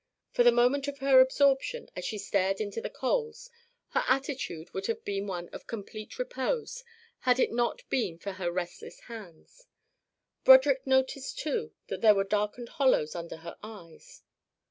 For the moment of her absorption, as she stared into the coals, her attitude would have been one of complete repose had it not been for her restless hands. Broderick noticed, too, that there were darkened hollows under her eyes.